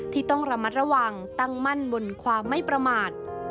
ที่ต้องระมัดระวังตั้งมั่นบนความไม่ประมาท